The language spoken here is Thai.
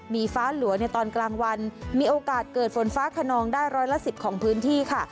มีฟ้าหลัวในตอนกลางวันมีโอกาสเกิดฝนฟ้าขนองได้ร้อยละ๑๐ของพื้นที่ค่ะ